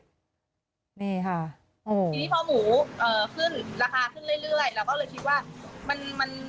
ทีนี้พอหมูราคาขึ้นเรื่อยแล้วก็เลยคิดว่า